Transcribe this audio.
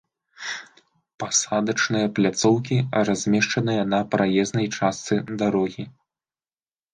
Пасадачныя пляцоўкі, размешчаныя на праезнай частцы дарогі